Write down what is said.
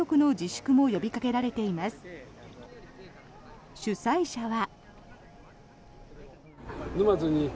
主催者は。